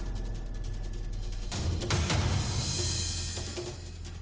aku tak mengerti apa apa